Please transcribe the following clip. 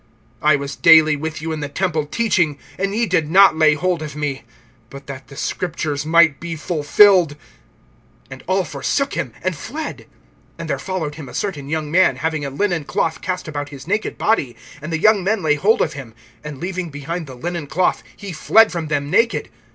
(49)I was daily with you in the temple teaching, and ye did not lay hold of me; but that the Scriptures might be fulfilled! (50)And all forsook him, and fled. (51)And there followed him a certain young man, having a linen cloth cast about his naked body; and the young men lay hold of him. (52)And leaving behind the linen cloth, he fled from them naked.